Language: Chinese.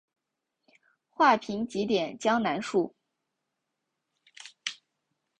画屏几点江南树。